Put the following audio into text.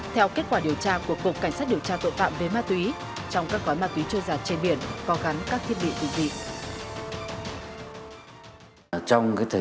theo kết quả điều tra lực lượng chức năng tỉnh quảng ngãi